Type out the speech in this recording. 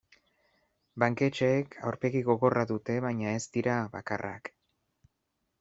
Banketxeek aurpegi gogorra dute baina ez dira bakarrak.